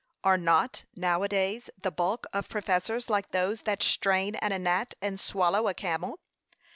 Are not, now a days, the bulk of professors like those that 'strain at a gnat and swallow a camel?'